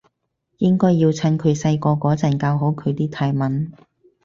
應該要趁佢細個嗰陣教好佢啲泰文